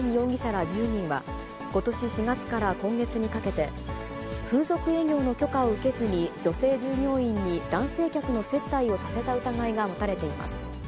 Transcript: ら１０人は、ことし４月から今月にかけて、風俗営業の許可を受けずに、女性従業員に男性客の接待をさせた疑いが持たれています。